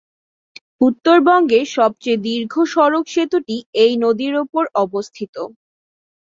উত্তরবঙ্গের সবচেয়ে দীর্ঘ সড়ক সেতুটি এই নদীর উপর অবস্থিত।